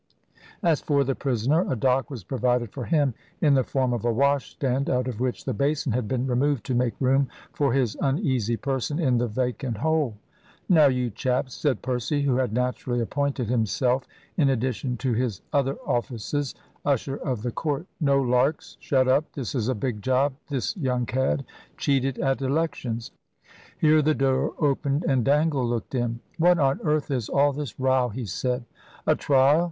As for the prisoner, a dock was provided for him in the form of a wash stand, out of which the basin had been removed to make room for his uneasy person in the vacant hole. "Now, you chaps," said Percy, who had naturally appointed himself, in addition to his other offices, "usher of the court", "no larks. Shut up. This is a big job. This young cad cheated at Elections." Here the door opened, and Dangle looked in. "What on earth is all this row?" he said. "A trial.